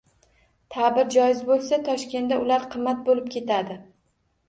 Ta’bir joiz bo‘lsa, «Toshkentda uylar qimmat bo‘lib ketadi»